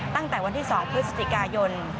ตั้งแต่วันที่๒พฤศจิกายน